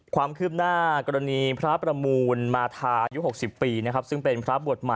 ความคืนกรณีพระประมูลมหาอายุหกสิบปีนะครับซึ่งเป็นพระบวด